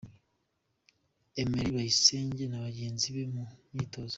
Emery Bayisenge na bagenzi be mu myitozo.